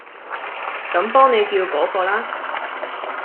咁幫你叫嗰個啦